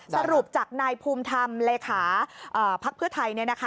สรุปจากนายภูมิธรรมเลขาภักดิ์เพื่อไทย